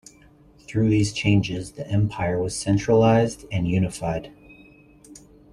Through these changes the empire was centralized and unified.